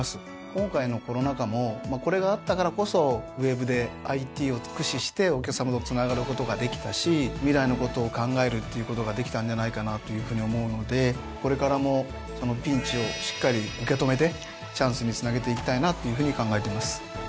今回のコロナ禍もこれがあったからこそウェブでＩＴを駆使してお客さまとつながることができたし未来のことを考えるっていうことができたんじゃないかなというふうに思うのでこれからもピンチをしっかり受け止めてチャンスにつなげていきたいなっていうふうに考えてます。